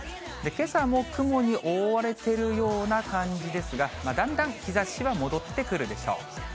けさも雲に覆われてるような感じですが、だんだん日ざしは戻ってくるでしょう。